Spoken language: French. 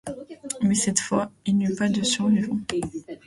Mais cette fois, il n'y eut pas de survivant.